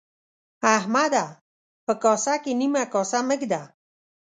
احمده! په کاسه کې نيمه کاسه مه اېږده.